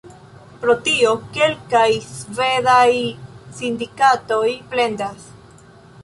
Pro tio, kelkaj svedaj sindikatoj plendas.